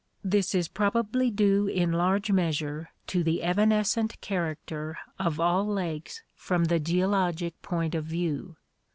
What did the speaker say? This is probably due in large measure to the evanescent character of all lakes from the geologic point of view.